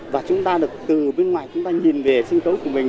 và chúng ta được từ bên ngoài chúng ta nhìn về sân khấu của mình